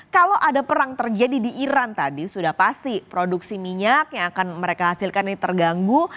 kalau ada perang terjadi di iran tadi sudah pasti produksi minyak yang akan mereka hasilkan ini terganggu